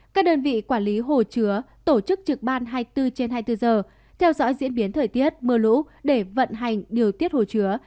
các đơn vị quản lý hồ chứa tổ chức trực ban hai mươi bốn trên hai mươi bốn giờ theo dõi diễn biến thời tiết mưa lũ để vận hành điều tiết hồ chứa